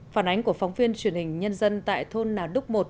phản ánh của phóng viên truyền hình nhân dân tại thôn nà đúc một